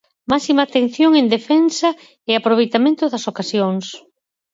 Máxima atención en defensa e aproveitamento das ocasións.